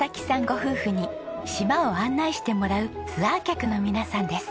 ご夫婦に島を案内してもらうツアー客の皆さんです。